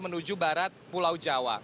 menuju barat pulau jawa